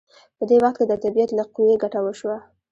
په دې وخت کې د طبیعت له قوې ګټه وشوه.